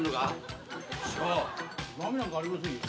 恨みなんかありませんよ。